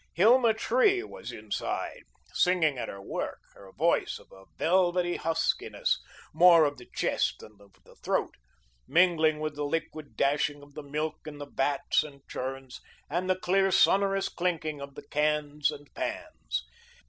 Hilma Tree was inside, singing at her work; her voice of a velvety huskiness, more of the chest than of the throat, mingling with the liquid dashing of the milk in the vats and churns, and the clear, sonorous clinking of the cans and pans.